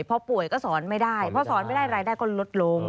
พอป่วยก็สอนไม่ได้เพราะสอนไม่ได้รายได้ก็ลดลง